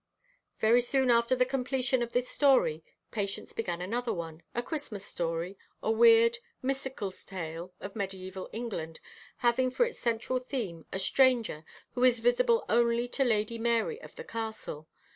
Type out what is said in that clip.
Very soon after the completion of this story Patience began another one, a Christmas story, a weird, mystical tale of medieval England, having for its central theme a "Stranger" who is visible only to Lady Marye of the Castle.